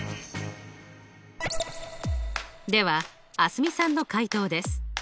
では蒼澄さんの解答です。